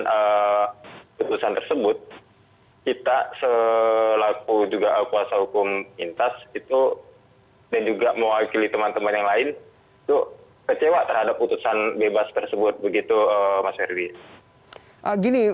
keputusan tersebut kita selaku juga kuasa hukum intas itu dan juga mewakili teman teman yang lain itu kecewa terhadap putusan bebas tersebut begitu mas herdy